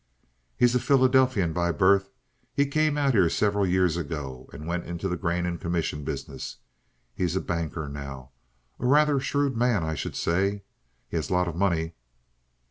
"He's a Philadelphian by birth. He came out here several years ago, and went into the grain and commission business. He's a banker now. A rather shrewd man, I should say. He has a lot of money."